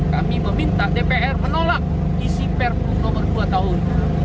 kami meminta dpr menolak isi perpu nomor dua tahun dua ribu dua puluh dua